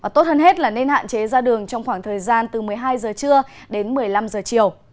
tốt hơn hết là nên hạn chế ra đường trong khoảng thời gian từ một mươi hai giờ trưa đến một mươi năm giờ chiều